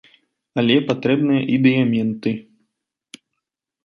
Але патрэбныя і дыяменты.